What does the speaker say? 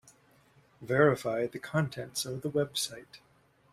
Verify the contents of the website.